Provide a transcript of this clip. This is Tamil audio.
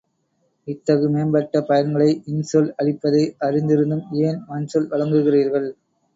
இத்தகு மேம்பட்ட பயன்களை இன்சொல் அளிப்பதை அறிந்திருந்தும் ஏன் வன்சொல் வழங்குகிறீர்கள்?